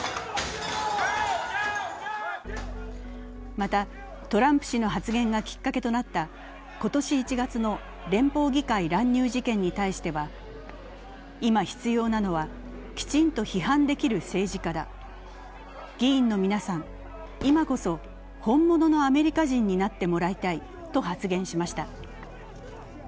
また、トランプ氏の発言がきっかけとなった今年１月の連邦議会乱入事件に対しては今、必要なのは、きちんと批判できる政治家だ、議員の皆さん、今こそ本物のアメリカ人になってもらいたいと発言しました。